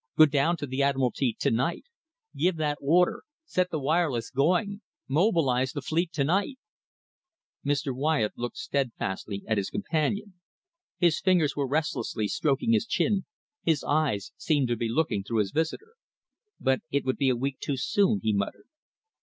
Go down to the Admiralty to night. Give that order. Set the wireless going. Mobilise the fleet to night." Mr. Wyatt looked steadfastly at his companion. His fingers were restlessly stroking his chin, his eyes seemed to be looking through his visitor. "But it would be a week too soon," he muttered.